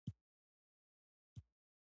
کیسه د سرو زرو د خزانه موندلو په اړه ده.